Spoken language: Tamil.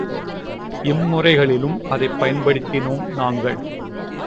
இம்முறைகளிலும் அதைப் பயன்படுத்தினோம் நாங்கள்.